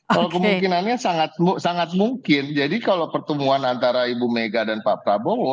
kalau kemungkinannya sangat mungkin jadi kalau pertemuan antara ibu mega dan pak prabowo